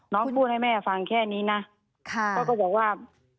น้องบอกให้แม่ฟังแค่นี้น้องบอกว่า